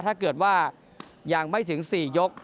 ถ้าเกิดว่ายังไม่ถึง๔ยก